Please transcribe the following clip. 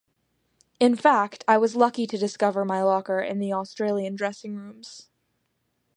In fact, I was lucky to discover my locker in the Australian dressing rooms.